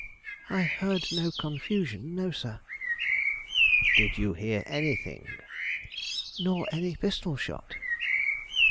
"I heard no confusion; no, sir." "Did you hear anything?" "Nor any pistol shot."